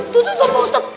tunggu pak ustadz